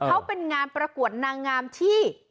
เขาเป็นงานประกวดนางงามที่